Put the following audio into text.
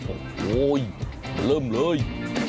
โอ้โหเริ่มเลย